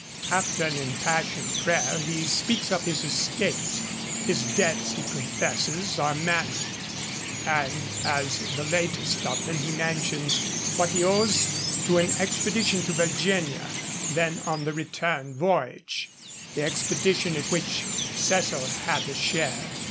After an impassioned prayer, he speaks of his estate. His debts, he confesses, are many, and as the latest of them he mentions what he owes to an expedition to Virginia then on the return voyage, the expedition in which Cecil had a share.